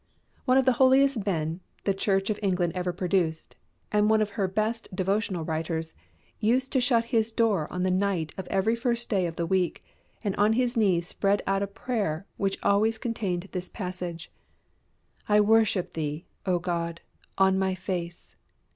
One of the holiest men the Church of England ever produced, and one of her best devotional writers, used to shut his door on the night of every first day of the week, and on his knees spread out a prayer which always contained this passage: "I worship Thee, O God, on my face.